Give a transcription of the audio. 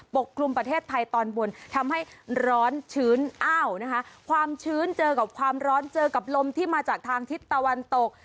กลุ่มประเทศไทยตอนบนทำให้ร้อนชื้นอ้าวนะคะความชื้นเจอกับความร้อนเจอกับลมที่มาจากทางทิศตะวันตก